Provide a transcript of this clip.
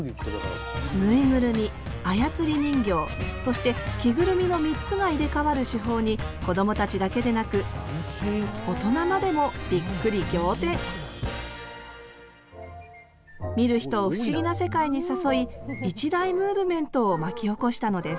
ぬいぐるみ操り人形そして着ぐるみの３つが入れ代わる手法にこどもたちだけでなく大人までもびっくり仰天見る人を不思議な世界に誘い一大ムーブメントを巻き起こしたのです